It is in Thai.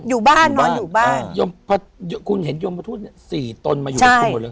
อยู่บ้านนอนอยู่บ้านคุณเห็นยมทูต๔ตนมาอยู่บ้างหมดหรือ